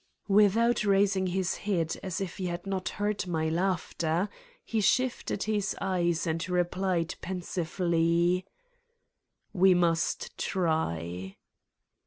Without raising his head, as if he had not heard my laughter, he lifted his eyes and replied pen sively : "We must try."